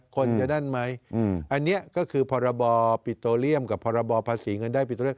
คนจะนั่นไหมอันนี้ก็คือพพกับพภาษีเงินได้